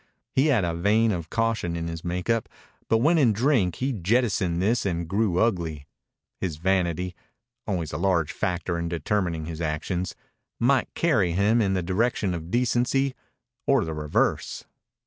He had a vein of caution in his make up, but when in drink he jettisoned this and grew ugly. His vanity always a large factor in determining his actions might carry him in the direction of decency or the reverse.